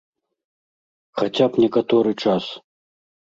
Хаця б некаторы час.